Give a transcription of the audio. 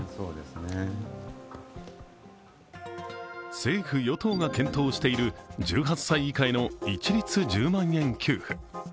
政府・与党が検討している１８歳以下への一律１０万円給付。